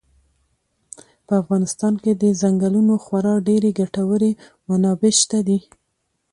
په افغانستان کې د ځنګلونو خورا ډېرې ګټورې منابع شته دي.